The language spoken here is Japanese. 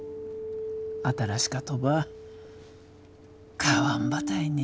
新しかとば買わんばたいね。